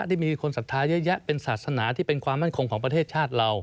ที่มีคนศรัทธาเยอะแยะเป็นศาสนาที่เป็นความมั่นคงของประเทศชาติเรา